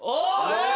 えっ！？